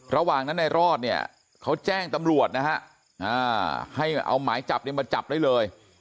ระหว่างนั้นในรอดเนี่ยเขาแจ้งตำรวจนะฮะให้เอาหมายจับเนี่ยมาจับได้เลย